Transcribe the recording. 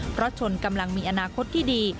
เพราะชนกำลังมีอนาคตที่ดี